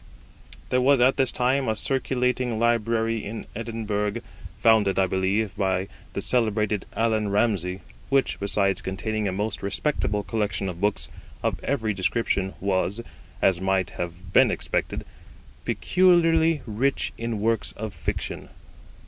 There was at this time a circulating library in Edinburgh, founded, I believe, by the celebrated Allan Ramsay, which, besides containing a most respectable collection of books of every description, was, as might have been expected, peculiarly rich in works of fiction.